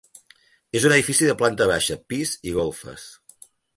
És un edifici de planta baixa, pis i golfes.